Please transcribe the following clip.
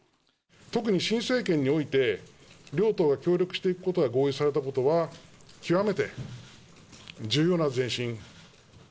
特に新政権において、両党が協力していくことが合意されたことは、極めて重要な前進。